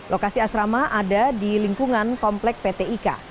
lokasi asrama ada di lingkungan komplek pt ika